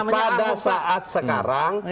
pada saat sekarang